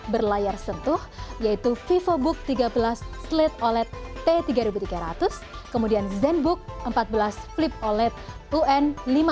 berlayar sentuh yaitu vivobook tiga belas sleed oled t tiga ribu tiga ratus kemudian zenbook empat belas flip oled un lima ratus